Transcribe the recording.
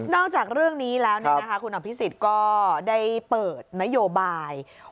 จากเรื่องนี้แล้วคุณอภิษฎก็ได้เปิดนโยบาย